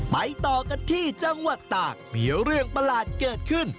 ไปต่อกันที่จังหวัดตากมีเรื่องประหลาดเกิดขึ้น